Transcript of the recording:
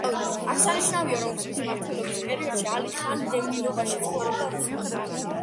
აღსანიშნავია, რომ ძმის მმართველობის პერიოდში ალი ხანი დევნილობაში ცხოვრობდა რუსეთში.